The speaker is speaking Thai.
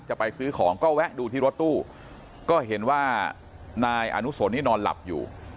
จะไปซื้อของก็แวะดูที่รถตู้ก็เห็นว่านายอนุสนนี่นอนหลับอยู่